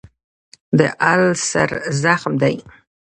د السر زخم دی.